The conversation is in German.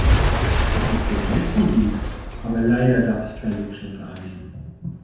Das ist sehr nett von Ihnen, aber leider darf ich keine Geschenke annehmen.